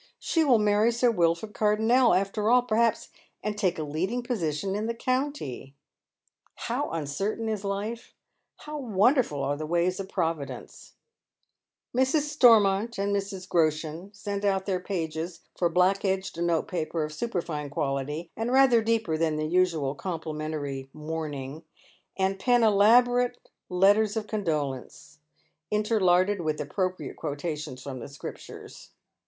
She will marry Sir Wilford Cardonnel after all, perhaps, and take a leading position in the county. How uncertain is life! How wonderful are the ways of Providence !" Mrs. Stonnont and Mrs. Groshen send out their pages for black edged note paper of superfine quaUty, and rather deeper than thfP> usual complimentary raourning, and pen elaborate letters a? 290 Dead Men's Shoes. condolence, interlarded with appropriate quotations from the Scriptures.